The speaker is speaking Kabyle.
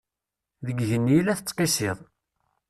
Deg igenni i la tettqissiḍ.